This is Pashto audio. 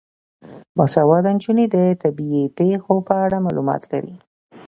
باسواده نجونې د طبیعي پیښو په اړه معلومات لري.